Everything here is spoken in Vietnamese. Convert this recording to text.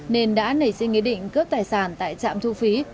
nên đã nảy sinh ý định cướp tài sản tại trạm thu phí